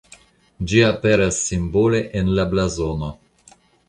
Ĝi aperas simbole en la blazono.